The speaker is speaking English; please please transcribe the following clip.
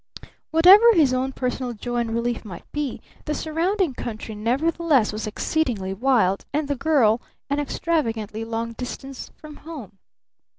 Whatever his own personal joy and relief might be, the surrounding country nevertheless was exceedingly wild, and the girl an extravagantly long distance from home.